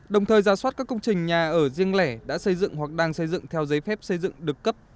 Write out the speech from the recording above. đồng thời giả soát các công trình nhà ở riêng lẻ đã xây dựng hoặc đang xây dựng theo giấy phép xây dựng được cấp